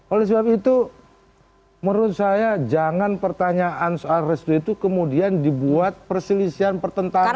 oleh sebab itu menurut saya jangan pertanyaan soal restu itu kemudian dibuat perselisihan pertentangan